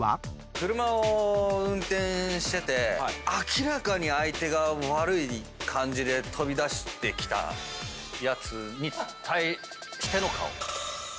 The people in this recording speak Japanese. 車を運転してて明らかに相手側も悪い感じで飛び出してきたやつに対しての顔。